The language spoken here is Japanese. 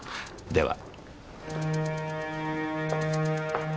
では。